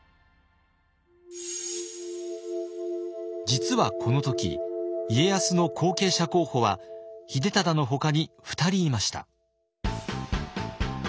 実はこの時家康の後継者候補は秀忠のほかに２人いました。